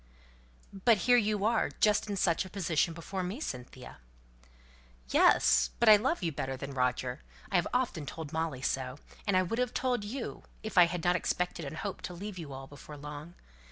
"But here you are, just in such a position before me, Cynthia!" "Yes! but I love you better than Roger; I've often told Molly so. And I would have told you, if I hadn't expected and hoped to leave you all before long.